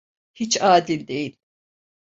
Hiç adil değil!